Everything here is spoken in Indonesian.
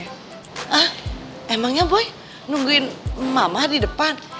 ah emangnya boy nungguin mama di depan